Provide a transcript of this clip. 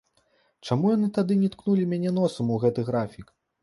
Чаму яны тады не ткнулі мяне носам у гэты графік?